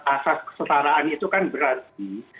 asas kesetaraan itu kan berarti